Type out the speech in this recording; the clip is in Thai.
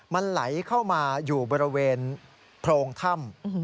มันไหลเข้ามาอยู่บริเวณโพรงถ้ำ